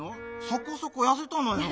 「そこそこやせた」のよ。